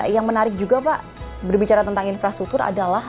yang menarik juga pak berbicara tentang infrastruktur adalah